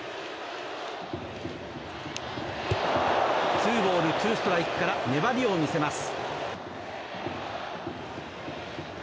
ツーボールツーストライクから粘りを見せます。